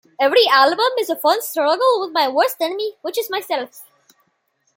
Every album is a fun struggle with my worst enemy; which is myself.